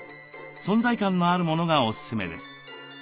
存在感のあるものがおすすめです。